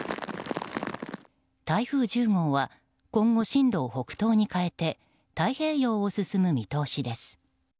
台風１０号は今後、進路を北東に変えて太平洋を進む見通しです。